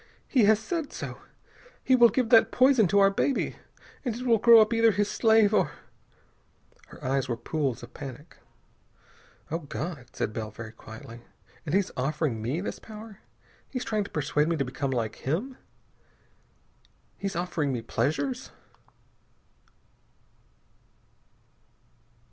He has said so.... He will give that poison to our baby.... And it will grow up either his slave, or " Her eyes were pools of panic. "Oh, God!" said Bell very quietly. "And he's offering me this power! He's trying to persuade me to become like him. He's offering me pleasures!"